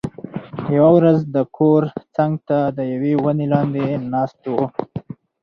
یوه ورځ د کور څنګ ته د یوې ونې لاندې ناست و،